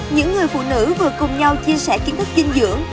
những người phụ nữ vừa cùng nhau chia sẻ kiến thức dinh dưỡng